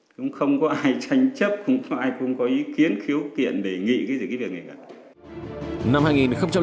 chúng không có ai tranh chấp không có ai cũng có ý kiến khiếu kiện bề nghị cái gì cái việc này cả